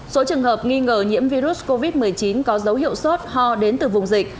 số trường hợp nghi ngờ nhiễm virus covid một mươi chín có dấu hiệu sốt ho đến từ vùng dịch